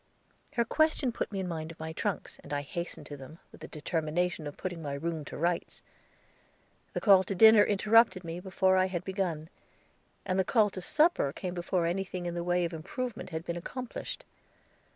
Her question put me in mind of my trunks, and I hastened to them, with the determination of putting my room to rights. The call to dinner interrupted me before I had begun, and the call to supper came before anything in the way of improvement had been accomplished.